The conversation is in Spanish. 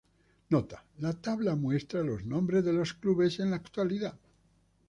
Nota: La tabla muestra los nombres de los clubes en la actualidad.